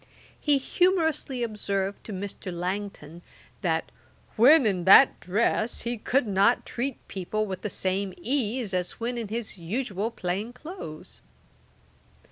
He humourously observed to Mr. Langton, that 'when in that dress he could not treat people with the same ease as when in his usual plain clothes.'